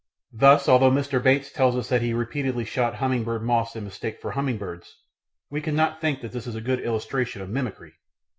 Thus although Mr. Bates tells us that he repeatedly shot humming bird moths in mistake for humming birds, we cannot think that this is a good illustration of mimicry.